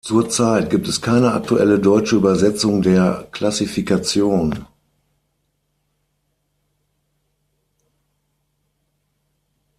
Zurzeit gibt es keine aktuelle deutsche Übersetzung der Klassifikation.